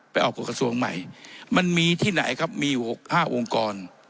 ไปออกกฎกระทรวงใหม่มันมีที่ไหนครับมีอยู่๖๕องค์กร